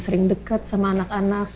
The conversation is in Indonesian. sering dekat sama anak anak